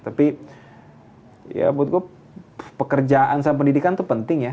tapi ya menurut gue pekerjaan sama pendidikan itu penting ya